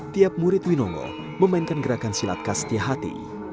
tiap murid winongo memainkan gerakan silat kastia hati